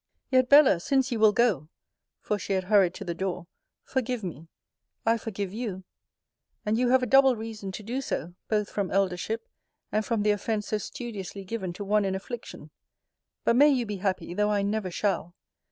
Yet, Bella, since you will go, (for she had hurried to the door,) forgive me. I forgive you. And you have a double reason to do so, both from eldership and from the offence so studiously given to one in affliction. But may you be happy, though I never shall!